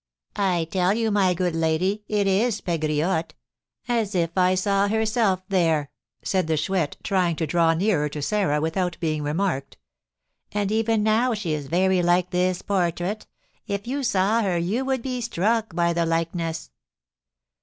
"I tell you, my good lady, it is Pegriotte, as if I saw herself there," said the Chouette, trying to draw nearer to Sarah without being remarked. "And even now she is very like this portrait; if you saw her you would be struck by the likeness."